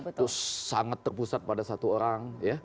itu sangat terpusat pada satu orang